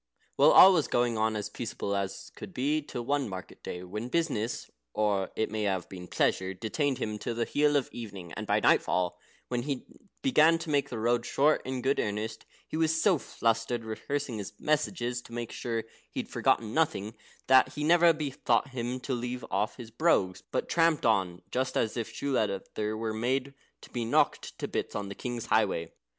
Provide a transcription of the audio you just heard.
Well, all was going on as peaceable as could be, till one market day, when business (or it may have been pleasure) detained him till the heel of the evening, and by nightfall, when he began to make the road short in good earnest, he was so flustered, rehearsing his messages to make sure he'd forgotten nothing, that he never bethought him to leave off his brogues, but tramped on just as if shoe leather were made to be knocked to bits on the king's highway.